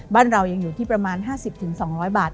บ้านเรายังอยู่ที่ประมาณ๕๐๒๐๐บาท